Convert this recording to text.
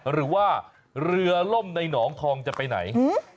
หรือว่าเรือล่มในหนองทองจะไปไหน